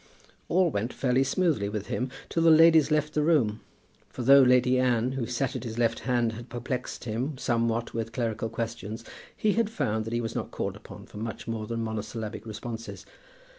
All went fairly smooth with him till the ladies left the room; for though Lady Anne, who sat at his left hand, had perplexed him somewhat with clerical questions, he had found that he was not called upon for much more than monosyllabic responses.